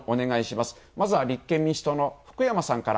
まずは立憲民主党の福山さんから。